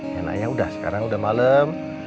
ya naya udah sekarang udah malem